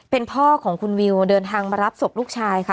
เป็นพ่อของคุณวิวเดินทางมารับศพลูกชายค่ะ